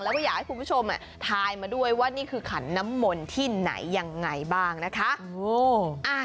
แล้วก็อยากให้คุณผู้ชมทายมาด้วยว่านี่คือขันน้ำมนต์ที่ไหนยังไงบ้างนะคะ